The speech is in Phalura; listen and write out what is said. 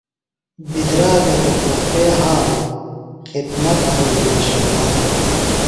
بِدراگہ تھےۡ تحفۡے ھاروئی خِدمت تھوئی بے شُمار